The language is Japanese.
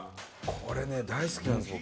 これね大好きなんです